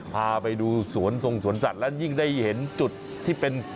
พาไปดูสวนทรงสวนสัตว์และยิ่งได้เห็นจุดที่เป็น